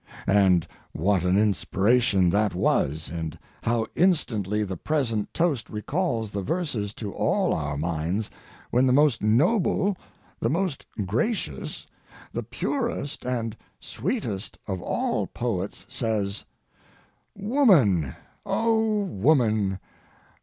And what an inspiration that was, and how instantly the present toast recalls the verses to all our minds when the most noble, the most gracious, the purest, and sweetest of all poets says: "Woman! O woman!